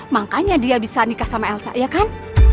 makanya dia bisa nikah sama elsa ya kan